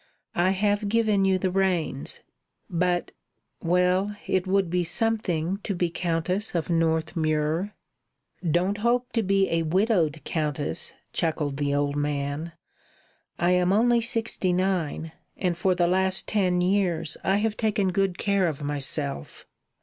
"I have given you the reins. But well, it would be something to be Countess of Northmuir." "Don't hope to be a widowed Countess," chuckled the old man. "I am only sixty nine, and for the last ten years I have taken good care of myself."